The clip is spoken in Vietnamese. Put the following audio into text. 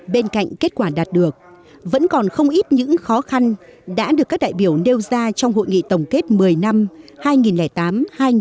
bên cạnh kết quả đạt được vẫn còn không ít những khó khăn đã được các đại biểu nêu ra trong hội nghị tổng kết một mươi năm hai nghìn tám hai nghìn một mươi chín